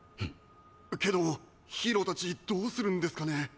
けどヒーローたちどうするんですかね？